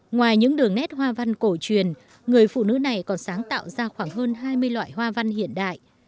ngoài những đường nét hoa văn cổ truyền người phụ nữ này còn sáng tạo ra khoảng hơn hai mươi loại hoa văn hiện đại